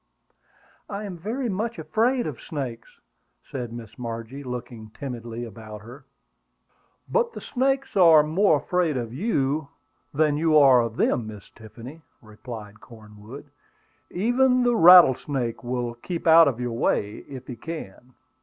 "I am very much afraid of snakes," said Miss Margie, looking timidly about her. "But the snakes are more afraid of you than you are of them, Miss Tiffany," replied Cornwood. "Even the rattlesnake will keep out of your way, if he can."